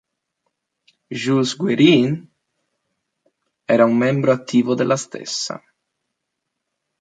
Jules Guérin era un membro attivo della stessa.